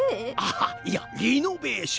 あいやリノベーション。